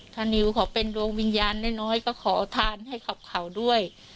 ถ้านิวขอเป็นดวงวิญญาณน้อยก็ขอทานให้ขับเขาด้วย